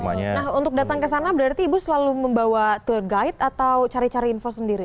nah untuk datang ke sana berarti ibu selalu membawa tour guide atau cari cari info sendiri